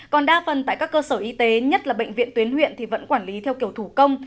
còn đa phần tại các cơ sở y tế nhất là bệnh viện tuyến huyện thì vẫn quản lý theo kiểu thủ công